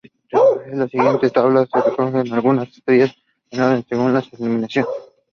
En la siguiente tabla se recogen algunas estrellas ordenadas según su luminosidad.